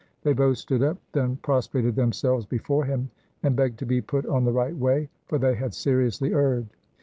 They both stood up, then prostrated themselves before him, and begged to be put on the right way, for they had seriously erred.